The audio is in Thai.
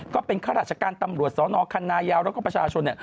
ข้าราชการตำรวจสนคันนายาวแล้วก็ประชาชน